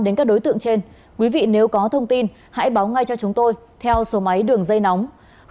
đến các đối tượng trên quý vị nếu có thông tin hãy báo ngay cho chúng tôi theo số máy đường dây nóng